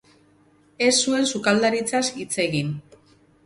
Ez zuen sukaldaritzaz hitz egin.